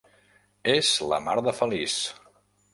És la mar de feliç.